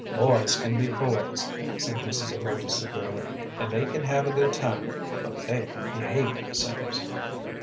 "Boys can be boys," said Mrs. Zelotes, severely, "and they can have a good time, but they can behave themselves."